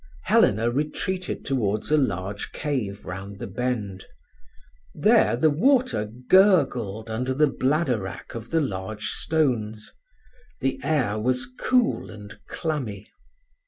Helena retreated towards a large cave round the bend. There the water gurgled under the bladder wrack of the large stones; the air was cool and clammy.